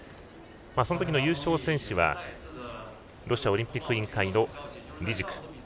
そのときの優勝選手はロシアオリンピック委員会のリジク。